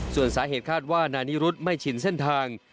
ส่วนสาเหตุคาดว่านายนิรุธไม่ชินเส้นทาง